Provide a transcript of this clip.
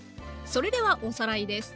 それではおさらいです。